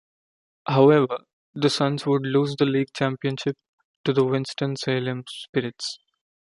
However, the Suns would lose the league championship to the Winston-Salem Spirits.